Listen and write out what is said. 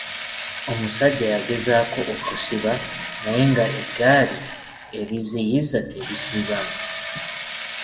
Omusajja yagezaako okusiba naye nga eggaali ebiziyiza tebisiba.